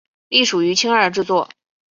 隶属于青二制作。